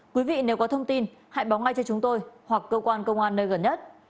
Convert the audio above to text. quý vị nếu có thông tin hãy báo ngay cho chúng tôi hoặc cơ quan công an nơi gần nhất